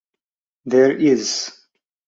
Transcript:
There is.